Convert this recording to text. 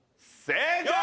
正解！